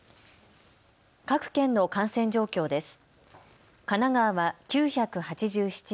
各県の感染状況です。